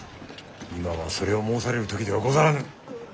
今はそれを申される時ではござらぬ。